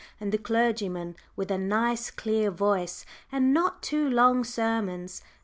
And the clergyman with a nice clear voice, and not too long sermons.